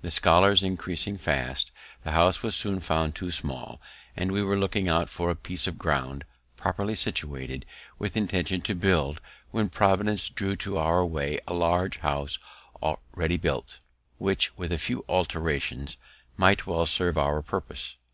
The scholars increasing fast, the house was soon found too small, and we were looking out for a piece of ground, properly situated, with intention to build, when Providence threw into our way a large house ready built, which, with a few alterations, might well serve our purpose.